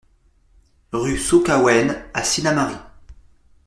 Rue Saut Caouenne à Sinnamary